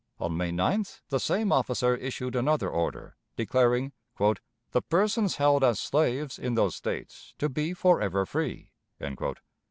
On May 9th the same officer issued another order, declaring "the persons held as slaves in those States to be for ever free."